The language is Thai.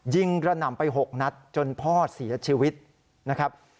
กระหน่ำไป๖นัดจนพ่อเสียชีวิตนะครับ